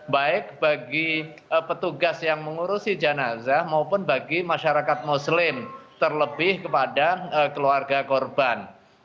baik bagi petugas yang mengurusi jenazah maupun bagi masyarakat muslim terlebih kepada keluarga korban